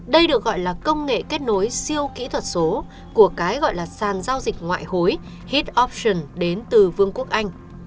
đây được gọi là công nghệ kết nối siêu kỹ thuật số của cái gọi là sàn giao dịch ngoại hối hit option đến từ forex